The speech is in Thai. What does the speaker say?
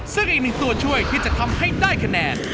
ซึ่งอีกหนึ่งตัวช่วยที่จะทำให้ได้คะแนน